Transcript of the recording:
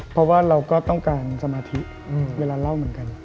เพราะว่าเราก็ต้องการสมาธิเวลาเล่าเหมือนกัน